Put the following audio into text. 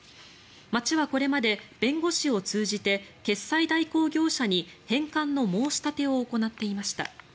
町はこれまで、弁護士を通じて決済代行業者に返還の申し立てを行っていました。